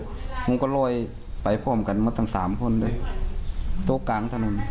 ผมก็ลอยไปพร้อมกันเมื่อทั้งสามคนเลยตกกลางถนน